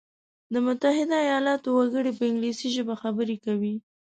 د متحده ایلاتو وګړي په انګلیسي ژبه خبري کوي.